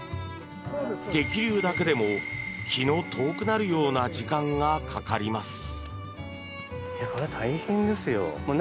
摘粒だけでも気の遠くなるような時間がかかります。